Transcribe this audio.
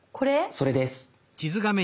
それです。